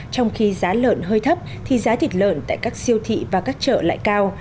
trong khi giá lợn hơi thấp thì giá thịt lợn tại các siêu thị và các chợ lại cao